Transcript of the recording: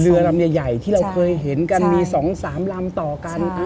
เรือลำใหญ่ที่เราเคยเห็นกันมี๒๓ลำต่อกัน